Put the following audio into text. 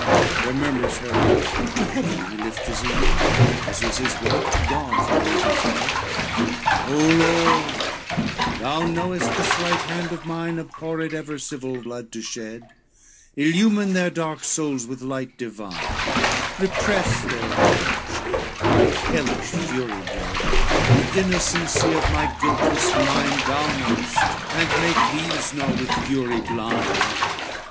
LXXVI Their murmurs heard, to heaven he lift his een, As was his wont, to God for aid he fled; "O Lord, thou knowest this right hand of mine Abhorred ever civil blood to shed, Illumine their dark souls with light divine, Repress their rage, by hellish fury bred, The innocency of my guiltless mind Thou knowest, and make these know, with fury blind."